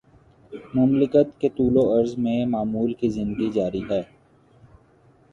مملکت کے طول وعرض میں معمول کی زندگی جاری ہے۔